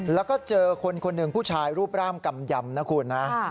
แล้วก็เจอคนคนหนึ่งผู้ชายรูปร่างกำยำนะคุณนะ